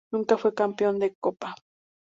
Nunca fue campeón de Copa.